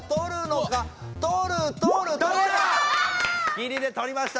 ギリでとりました